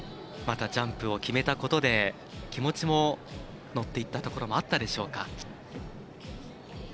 ジャンプを決めたことで気持ちも乗っていったところもあったでしょうか。